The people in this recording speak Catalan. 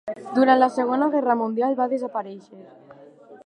Durant la Segona guerra mundial va desaparèixer.